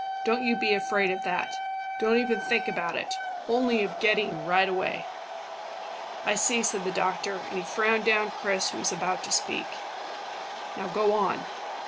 "Don't you be afraid of that. Don't even think about it, only of getting right away." "I see," said the doctor, and he frowned down Chris, who was about to speak. "Now go on."